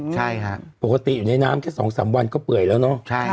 ใช่ค่ะปกติอยู่ในน้ำแค่สองสามวันก็เปื่อยแล้วเนอะใช่